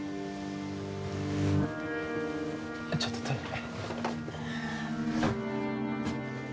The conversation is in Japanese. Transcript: ちょっとトイレ